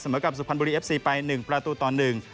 เหมือนกับสุพรรณบุรีเอฟซีไป๑ประตูตอนหนึ่ง